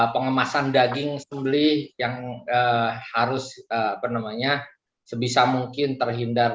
pengemasan daging sembelih yang harus sebisa mungkin terhindar